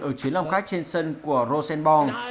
ở chuyến lòng khách trên sân của rosenborg